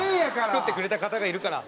作ってくれた方がいるから。